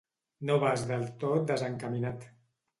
No vas del tot desencaminat.